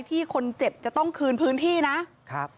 ที่คนเจ็บจะต้องคืนพื้นที่นะครับ